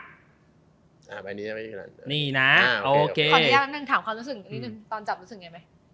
สักครั้งหนึ่งถามความรู้สึกนิดนึงตอนจับรู้สึกอย่างไรไหม